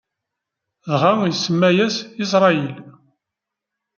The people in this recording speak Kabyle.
Dɣa, isemma-yas Isṛayil.